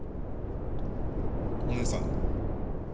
お姉さん？